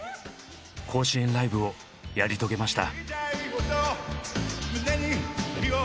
甲子園ライブをやり遂げました。